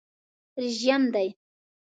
رژیم دی.